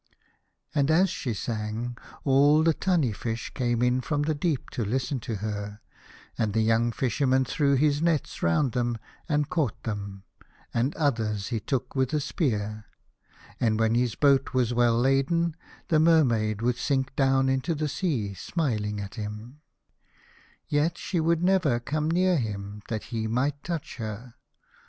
And as she sang, all the tunny fish came in from the deep to listen to her, and the young Fisherman threw his nets round them and caught them, and others he took with a spear. And when his boat was well laden, the Mer maid would sink down into the sea, smiling at him. 67 A House of Pomegranates. Yet would she never come near him that he might touch her.